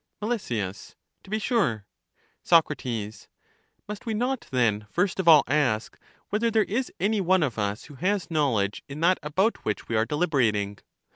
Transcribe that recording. Mel, To be sure. Soc, Must we not then first of all ask, whether there is any one of us who has knowledge in that about which we are deliberating?